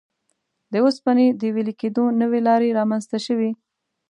د اوسپنې د وېلې کېدو نوې لارې رامنځته شوې.